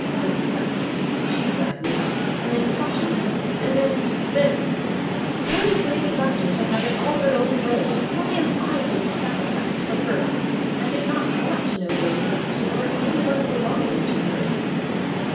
Lady Lufton she dragged me out, and then cautioned me, and then, then Why is Lady Lufton to have it all her own way? Why am I to be sacrificed for her? I did not want to know Lady Lufton, or any one belonging to her."